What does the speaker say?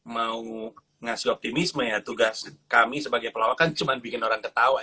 mau ngasih optimisme ya tugas kami sebagai pelawak kan cuma bikin orang ketawa